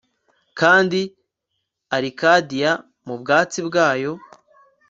kandi arikadiya mu byatsi byayo